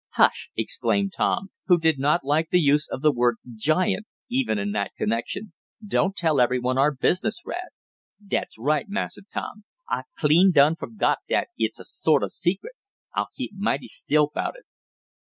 "Hush!" exclaimed Tom, who did not like the use of the word "giant" even in that connection. "Don't tell everyone our business, Rad." "Dat's right, Massa Tom. I clean done forgot dat it's a sort of secret. I'll keep mighty still 'bout it."